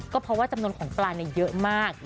ก็เพราะว่าจำนวนของปลาเยอะมาก